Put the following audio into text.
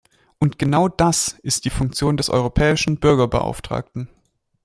Und genau das ist die Funktion des europäischen Bürgerbeauftragten.